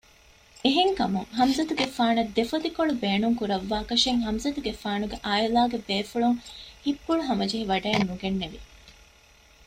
އެހެންކަމުން ޙަމްޒަތުގެފާނަށް ދެފޮތިކޮޅު ބޭނުންކުރައްވާކަށެއް ޙަމްޒަތުގެފާނުގެ ޢާއިލާގެ ބޭފުޅުން ހިތްޕުޅުހަމަޖެހިވަޑައެއް ނުގެންނެވި